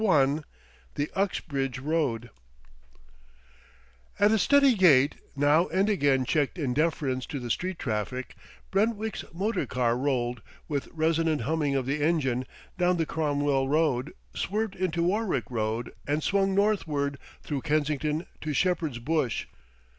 XIX I THE UXBRIDGE ROAD At a steady gait, now and again checked in deference to the street traffic, Brentwick's motor car rolled, with resonant humming of the engine, down the Cromwell Road, swerved into Warwick Road and swung northward through Kensington to Shepherd's Bush.